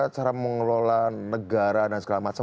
cara mengelola negara dan segala macam